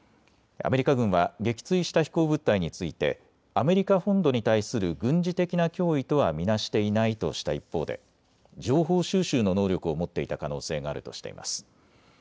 アメリカ軍は撃墜した飛行物体についてアメリカ本土に対する軍事的な脅威とは見なしていないとした一方で情報収集の能力を持っていた可能性があるとしています。